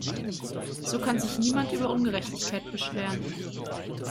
So kann sich niemand über Ungerechtigkeit beschweren.